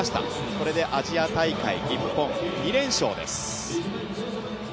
これでアジア大会日本、２連勝です。